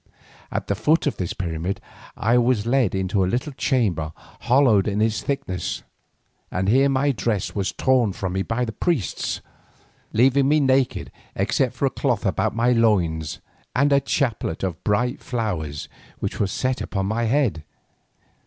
At the foot of this pyramid I was led into a little chamber hollowed in its thickness, and here my dress was torn from me by more priests, leaving me naked except for a cloth about my loins and a chaplet of bright flowers which was set upon my head.